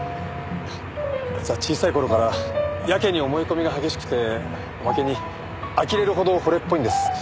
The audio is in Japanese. あいつは小さい頃からやけに思い込みが激しくておまけにあきれるほど惚れっぽいんです。